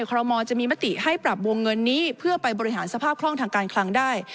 คอรมอลจะมีมติให้ปรับวงเงินนี้เพื่อไปบริหารสภาพคล่องทางการคลังได้